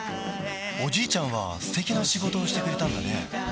おじいちゃんは素敵な仕事をしてくれたんだね